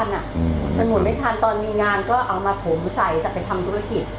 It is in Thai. มันหมุนไม่ทันตอนมีงานก็เอามาถมใส่แต่ไปทำธุรกิจ